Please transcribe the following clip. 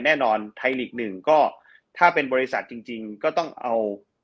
แน่นอนไทยลีกหนึ่งก็ถ้าเป็นบริษัทจริงก็ต้องเอา